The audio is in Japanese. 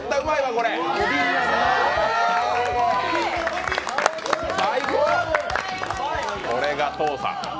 これが登さん！